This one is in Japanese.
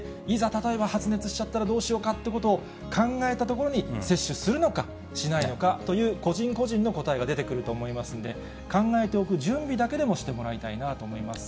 例えば発熱しちゃったらどうしようかっていうことを考えたところに、接種するのか、しないのかという、個人個人の答えが出てくると思いますので、考えておく準備だけでもしてもらいたいなと思います。